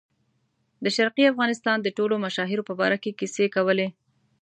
د شرقي افغانستان د ټولو مشاهیرو په باره کې کیسې کولې.